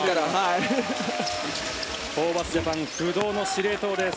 ホーバスジャパン不動の司令塔です。